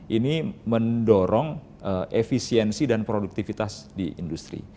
ini mendorong efisiensi dan produktivitas di industri